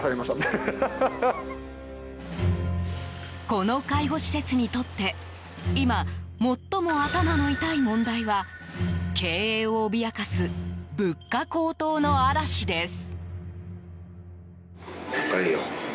この介護施設にとって今、最も頭の痛い問題は経営を脅かす物価高騰の嵐です。